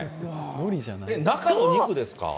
中も肉ですか？